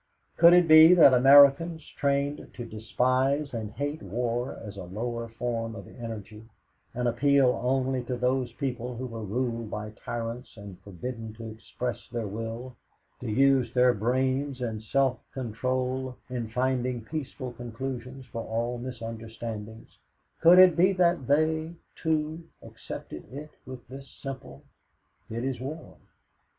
Could it be that Americans, trained to despise and hate war as a lower form of energy, an appeal only for those people who were ruled by tyrants and forbidden to express their will, to use their brains and self control in finding peaceful conclusions for all misunderstandings could it be that they, too, accepted it with this simple, "It is war"?